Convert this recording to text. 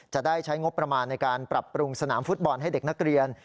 จะได้ใช้งบประมาณในการปรับปรุงสนามฟุตบอลให้เด็กนักเรียน